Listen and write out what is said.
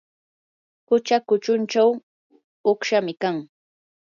qucha kuchunchaw uqshami kan.